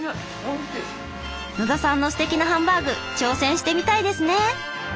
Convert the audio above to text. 野田さんのすてきなハンバーグ挑戦してみたいですね。